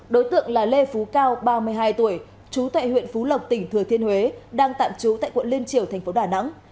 đối tượng là lê phú cao ba mươi hai tuổi trú tại huyện phú lộc tỉnh thừa thiên huế đang tạm trú tại quận liên triều thành phố đà nẵng